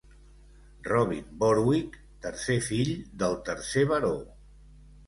Robin Borwick, tercer fill del tercer baró.